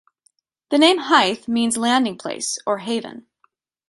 The name Hythe means landing-place or haven.